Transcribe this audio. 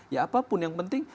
ya apapun yang penting